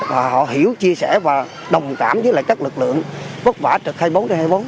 và họ hiểu chia sẻ và đồng cảm với lại các lực lượng vất vả trực khai bốn trên hai bốn